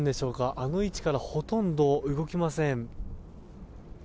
あの位置からほとんど動きません。